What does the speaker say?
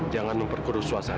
jangan memmadu suasa